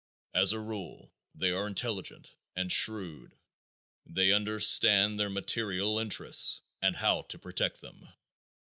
As a rule, they are intelligent, and shrewd. They understand their material interests and how to protect them.